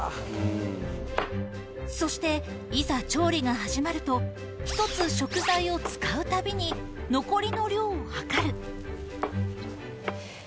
そして、いざ調理が始まると、１つ食材を使うたびに残りの量を量る。